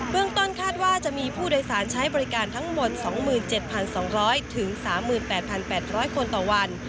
ต้นคาดว่าจะมีผู้โดยสารใช้บริการทั้งหมด๒๗๒๐๐๓๘๘๐๐คนต่อวัน